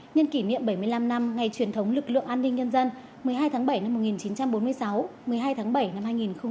nhân kỷ niệm bảy mươi năm năm ngày truyền thống lực lượng an ninh nhân dân một mươi hai tháng bảy năm một nghìn chín trăm bốn mươi sáu một mươi hai tháng bảy năm hai nghìn một mươi chín